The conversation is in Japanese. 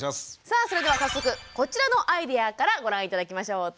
さあそれでは早速こちらのアイデアからご覧頂きましょう。